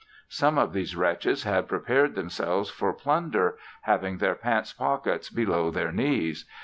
Some of these wretches had prepared themselves for plunder, having their pants' pockets below their knees.